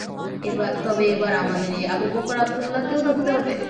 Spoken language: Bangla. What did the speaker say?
তবে এবার আমাদের এই আবু বকর আবদুল্লাহকে ধরতে হবে।